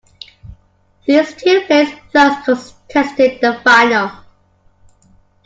These two players thus contested the final.